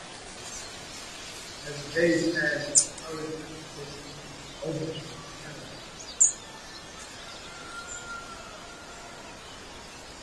As the days passed Charlotte's mental state became overtly paranoid.